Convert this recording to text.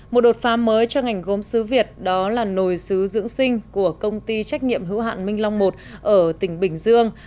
một đột pha mới cho ngành gốm sứ việt đó là nồi sứ dưỡng sinh của công ty trách nhiệm hữu hạn minh long i ở tỉnh bình dương